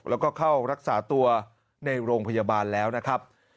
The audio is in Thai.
แล้วก็เข้ารักษาตัวในโรงพยาบาลแล้วนะครับ